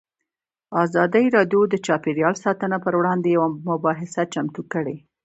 ازادي راډیو د چاپیریال ساتنه پر وړاندې یوه مباحثه چمتو کړې.